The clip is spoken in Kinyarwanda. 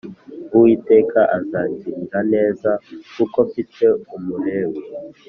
Uwiteka azangirira neza kuko mfite Umulewi